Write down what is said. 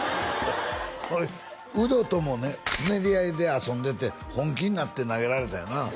これウドともねつねり合いで遊んでて本気になって投げられたんよな？